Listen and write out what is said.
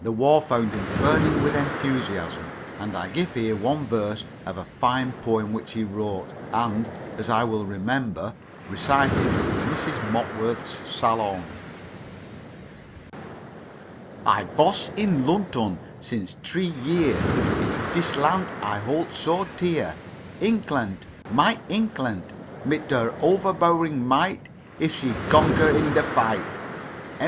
The war found him burning with enthusiasm, and I give here one verse of a fine poem which he wrote and, as I will remember, recited in Mrs. Mopworth's salon: I vos in Luntun since t'ree year, In dis lant I holt so tear, Inklant, my Inklant! Mit her overbowering might If she gonquer in der fight, M.